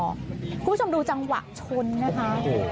คุณผู้ชมดูจังหวะชนนะคะ